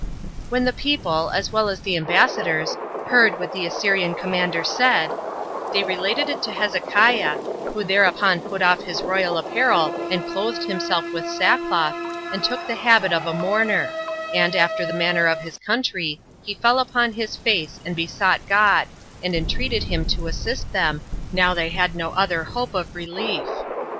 3. When the people, as well as the ambassadors, heard what the Assyrian commander said, they related it to Hezekiah, who thereupon put off his royal apparel, and clothed himself with sackcloth, and took the habit of a mourner, and, after the manner of his country, he fell upon his face, and besought God, and entreated him to assist them, now they had no other hope of relief.